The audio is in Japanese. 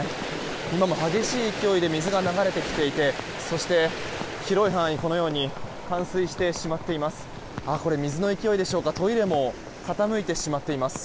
今も激しい勢いで水が流れてきていてそして広い範囲、このように冠水してしまっています。